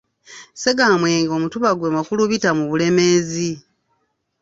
Ssegaamwenge, Omutuba gw'e Makulubita mu Bulemeezi.